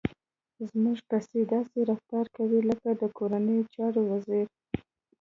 زموږ سپی داسې رفتار کوي لکه د کورنیو چارو وزير.